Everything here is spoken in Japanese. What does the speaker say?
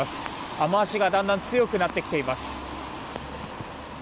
雨脚がだんだん強くなってきています。